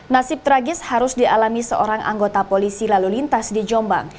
nasib tragis harus dialami seorang anggota polisi lalu lintas di jombang